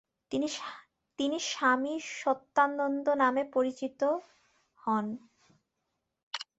তিনি স্বামী সত্যানন্দ নামে পরিচিত হন ।